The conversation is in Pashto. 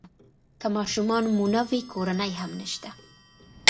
که ماشومان مو نه وي کورنۍ هم نشته.